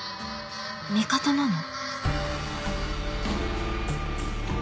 味方なの？